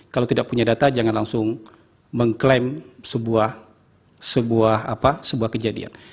kalau tidak punya data jangan langsung mengklaim sebuah kejadian